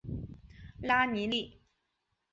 拉尼利。